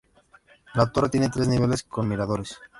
La torre tiene tres niveles con miradores.